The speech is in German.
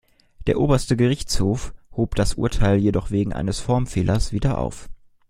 Der Oberste Gerichtshof hob das Urteil jedoch wegen eines Formfehlers wieder auf.